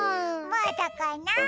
まだかな？